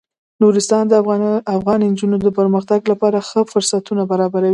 نورستان د افغان نجونو د پرمختګ لپاره ښه فرصتونه برابروي.